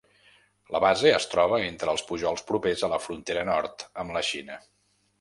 La base es troba entre els pujols propers a la frontera nord amb la Xina.